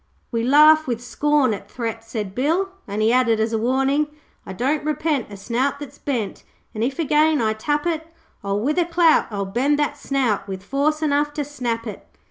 'We laugh with scorn at threats,' said Bill, and he added as a warning 'I don't repent a snout that's bent, And if again I tap it, Oh, with a clout I'll bend that snout With force enough to snap it.'